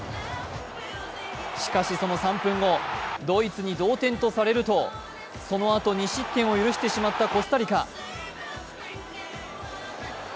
しかし、その３分後ドイツに同点とされるとそのあと２失点を許してしまったコスタリカ。